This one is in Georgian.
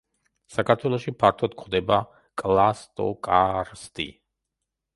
საქართველოში ფართოდ გვხვდება კლასტოკარსტი.